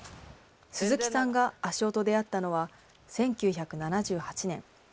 鈴木さんが足尾と出会ったのは、１９７８年。